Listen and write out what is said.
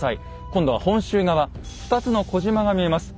今度は本州側２つの小島が見えます。